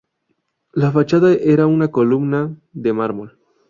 La fachada era una columnata de mármol.